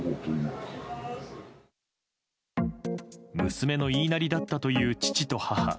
娘の言いなりだったという父と母。